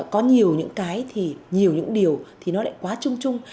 có nhiều những cái nhiều những điều thì nó lại quá trung trung